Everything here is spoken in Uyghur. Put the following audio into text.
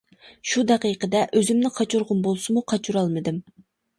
شۇ دەقىقىدە ئۆزۈمنى قاچۇرغۇم بولسىمۇ، قاچۇرالمىدىم.